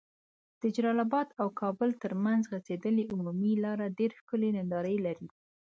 د جلال اباد او کابل تر منځ غځيدلي عمومي لار ډيري ښکلي ننداري لرې